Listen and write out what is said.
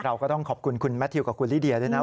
เราก็ต้องขอบคุณคุณแมททิวกับคุณลิเดียด้วยนะ